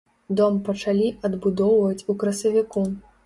Дом пачалі адбудоўваць у красавіку.